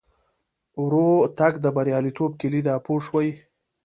ورو تګ د بریالیتوب کیلي ده پوه شوې!.